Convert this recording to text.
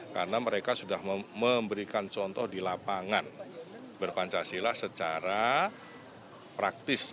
karena mereka sudah memberikan contoh di lapangan ber pancasila secara praktis